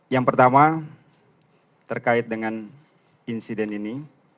yang pertama terkait dengan insiden ini